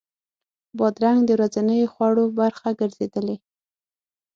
بادرنګ د ورځني خوړو برخه ګرځېدلې.